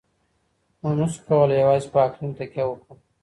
موږ نسو کولای يوازې په اقليم تکيه وکړو.